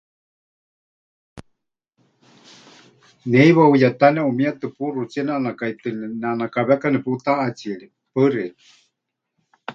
Ne heiwa huyetá neʼumietɨ puxutsie neʼanakaítɨ, neʼanakaweka neputáʼatsierie. Paɨ xeikɨ́a.